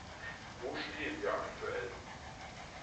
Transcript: Wo stehen wir aktuell?